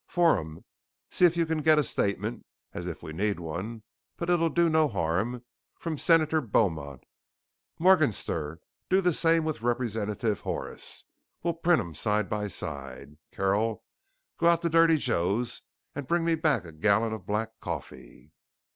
Forhan, see if you can get a statement as if we need one, but it'll do no harm from Senator Beaumont. Morganser, do the same with Representative Horace. We'll print 'em side by side. Carol, go out to Dirty Joe's and bring me back a gallon of black coffee."